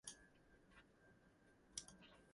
She is married and she has two children.